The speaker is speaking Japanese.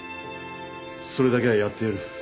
それだけはやってやる。